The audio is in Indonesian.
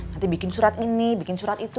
nanti bikin surat ini bikin surat itu